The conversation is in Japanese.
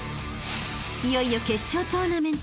［いよいよ決勝トーナメント］